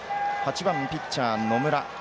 ８番ピッチャー野村。